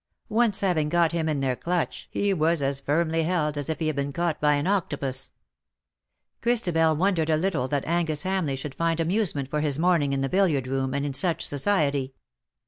Once having got him in their clutch he was as firmly held as if he had been caught by an octopus. Christabel won dered a little that Angus Hamleigh should find amusement for his morning in the billiard room, and in such society.